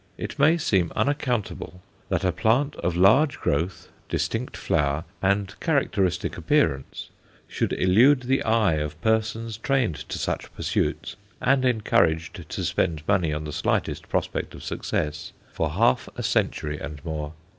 It may seem unaccountable that a plant of large growth, distinct flower, and characteristic appearance, should elude the eye of persons trained to such pursuits, and encouraged to spend money on the slightest prospect of success, for half a century and more.